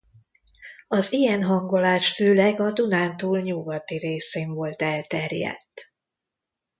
Az ilyen hangolás főleg a Dunántúl nyugati részén volt elterjedt.